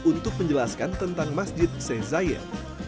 untuk menjelaskan tentang masjid seh sayed